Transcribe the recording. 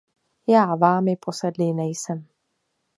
Já vámi posedlý nejsem.